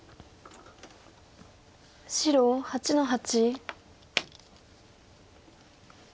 白８の八。